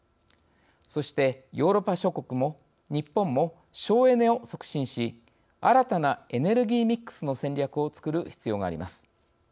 そしてヨーロッパ諸国も日本も省エネを促進し新たなエネルギーミックスの戦略を作る必要があります。